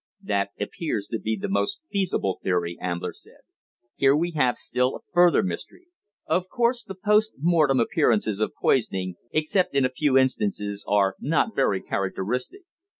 "That appears to be the most feasible theory," Ambler said. "Here we have still a further mystery." Of course, the post mortem appearances of poisoning, except in a few instances, are not very characteristic.